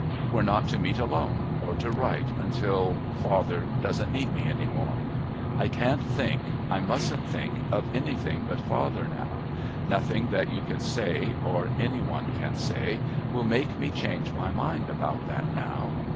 We're not to meet alone or to write until father doesn't need me any more. I can't think, I mustn't think, of anything but father now. Nothing that you can say, or any one can say, will make me change my mind about that now....